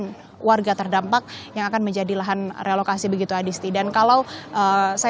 sehingga memang perlu koordinasi dan juga beberapa pertemuan yang dilakukan oleh para stakeholder terkait untuk menentukan dimana lokasi hundingan